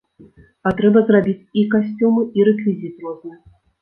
А трэба зрабіць і касцюмы, і рэквізіт розны.